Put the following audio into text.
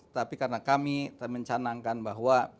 tapi karena kami mencanangkan bahwa